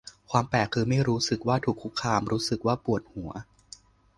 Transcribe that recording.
ความแปลก คือ ไม่รู้สึกว่าถูกคุกคาม รู้สึกว่าปวดหัว